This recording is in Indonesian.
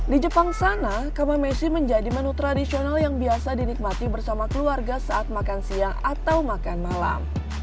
di jepang sana kamamesi menjadi menu tradisional yang biasa dinikmati bersama keluarga saat makan siang atau makan malam